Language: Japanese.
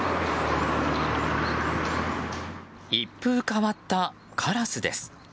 一風変わったカラスです。